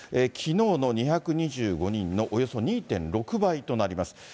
きのうの２２５人のおよそ２．６倍となります。